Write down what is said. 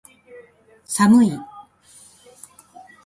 寒い